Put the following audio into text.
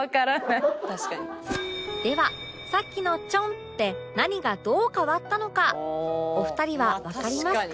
ではさっきのチョンで何がどう変わったのかお二人はわかりますか？